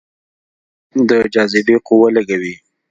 د جاذبې قوه لږه وي.